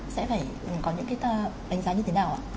sẽ phải có những cái đánh giá như thế nào ạ